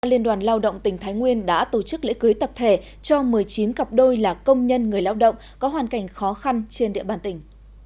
liên đoàn lao động tỉnh thái nguyên đã tổ chức lễ cưới tập thể cho một mươi chín cặp đôi là công nhân người lao động có hoàn cảnh khó khăn trên địa bàn tỉnh